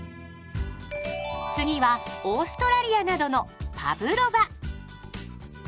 次はオーストラリアなどのパブロバ。